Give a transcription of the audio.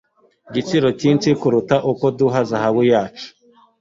Igiciro cyinshi kuruta uko duha zahabu yacu